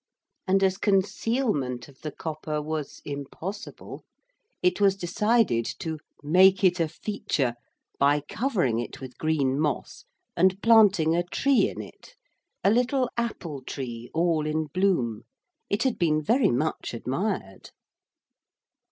And as concealment of the copper was impossible, it was decided to 'make it a feature' by covering it with green moss and planting a tree in it, a little apple tree all in bloom. It had been very much admired.